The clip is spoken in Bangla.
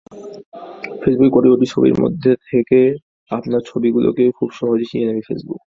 ফেসবুকে কোটি কোটি ছবির মধ্যে থেকে আপনার ছবিগুলোকে খুব সহজেই চিনে নেবে ফেসবুক।